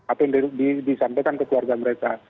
apa yang disampaikan ke keluarga mereka